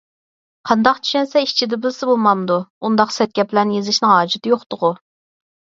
قانداق چۈشەنسە ئىچىدە بىلسە بولمامدۇ؟ ئۇنداق سەت گەپلەرنى يېزىشنىڭ ھاجىتى يوقتىغۇ؟